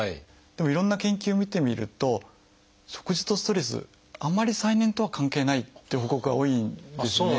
でもいろんな研究を見てみると食事とストレスあんまり再燃とは関係ないという報告が多いんですね。